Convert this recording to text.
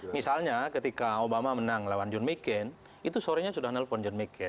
misalnya ketika obama menang lawan john mccain itu sorenya sudah nelfon john mccaen